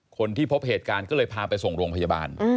คนที่พบเหตุการณ์ก็เลยพาไปส่งโรงพยาบาล